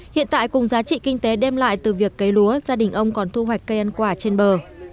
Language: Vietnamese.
hiện tại cùng giá trị kinh tế đem lại từ việc cây lúa gia đình ông còn thu hoạch cây ăn quả trên bờ